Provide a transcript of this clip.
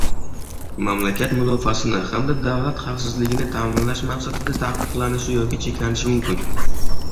mamlakat mudofaasini hamda davlat xavfsizligini ta’minlash maqsadida taqiqlanishi yoki cheklanishi mumkin.